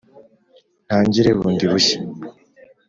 ntangire bundi bushya